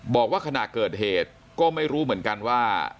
บอกว่าขณะเกิดเหตุก็ไม่รู้เหมือนกันว่า